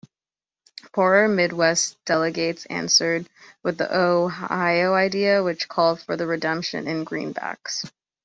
Poorer Midwestern delegates answered with the "Ohio Idea," which called for redemption in greenbacks.